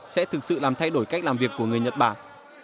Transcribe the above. sẽ thực sự làm thay đổi cách làm việc của người nhật bản